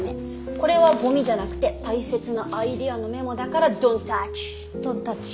これはゴミじゃなくて大切なアイデアのメモだからＤｏｎ’ｔｔｏｕｃｈ！ドンタッチ。